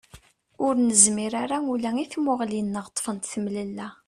Ur nezmir ara ula i tmuɣli-nneɣ, ṭṭfent temlella.